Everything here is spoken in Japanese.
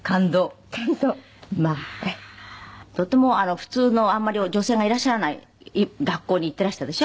とても普通のあんまり女性がいらっしゃらない学校に行っていらしたでしょ？